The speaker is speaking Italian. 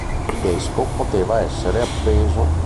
Il desco poteva essere appeso.